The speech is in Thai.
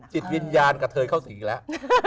จิตวิญญาณกระเทยเข้าสีแล้ว